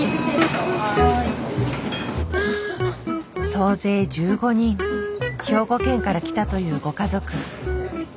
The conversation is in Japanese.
総勢１５人兵庫県から来たというご家族。